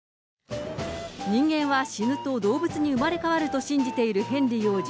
人間は死ぬと動物に生まれ変わると信じているヘンリー王子。